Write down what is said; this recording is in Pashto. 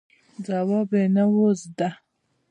ځواب یې نه و زده.